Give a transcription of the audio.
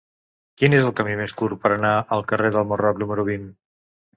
Quin és el camí més curt per anar al carrer del Marroc número vint?